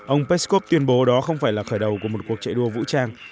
ông peskov tuyên bố đó không phải là khởi đầu của một cuộc chạy đua vũ trang